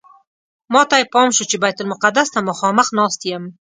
ماته یې پام شو چې بیت المقدس ته مخامخ ناست یم.